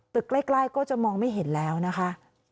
ใกล้ก็จะมองไม่เห็นแล้วนะคะ